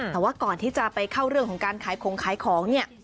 แต่ว่าก่อนที่จะไปเข้าเรื่องของการขายของขายของเนี่ย